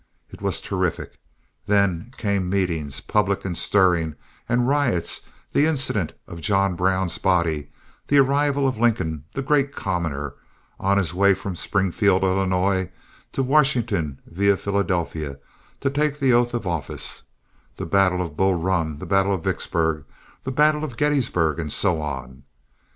It was terrific. Then came meetings, public and stirring, and riots; the incident of John Brown's body; the arrival of Lincoln, the great commoner, on his way from Springfield, Illinois, to Washington via Philadelphia, to take the oath of office; the battle of Bull Run; the battle of Vicksburg; the battle of Gettysburg, and so on.